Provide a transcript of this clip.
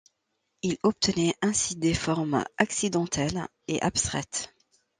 Il obtenait ainsi des formes accidentelles et abstraites.